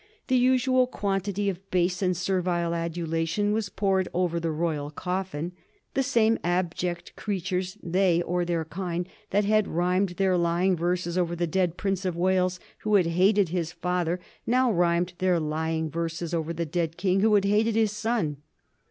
The usual quantity of base and servile adulation was poured over the Royal coffin. The same abject creatures — they or their kind — that had rhymed their lying verses over the dead Prince of Wales who had hated his father, now rhymed their lying verses over the dead king who had hated his son.